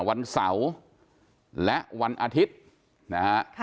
วันเสาร์และวันอาทิตย์นะฮะ